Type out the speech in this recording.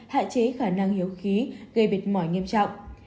hạ chế khả năng hiếu khí gây mệt mỏi nghiêm trọng